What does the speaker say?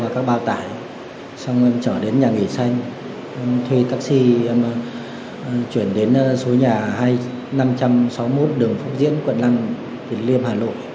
chuyển đến số nhà hai nghìn năm trăm sáu mươi một đường phúc diễn quận năm liêm hà nội